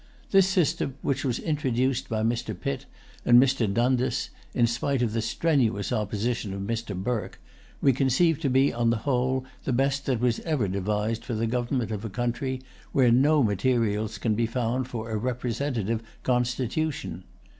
This system, which was introduced by Mr. Pitt and Mr. Dundas in spite of the strenuous opposition of Mr. Burke, we conceive to be on the whole the best that was ever devised for the government of a country where no materials can be found for a representative constitution.